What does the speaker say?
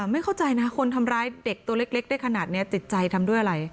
ไม่เข้าใจนะคนทำร้ายเด็กตัวเล็กได้ขนาดนี้จิตใจทำด้วยอะไร